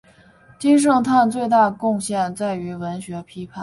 金圣叹最大贡献在于文学批评。